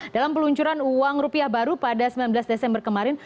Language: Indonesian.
dalam peluncuran uang rupiah baru pada sembilan belas desember kemarin